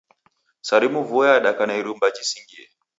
Sarimu vua yadaka na irumba jisingie.